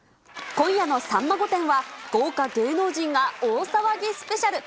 今夜のさんま御殿は、豪華芸能人が大騒ぎスペシャル。